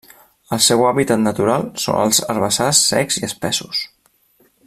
El seu hàbitat natural són els herbassars secs i espessos.